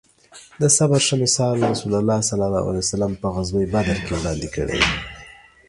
د صبر ښه مثال رسول الله ص په غزوه بدر کې وړاندې کړی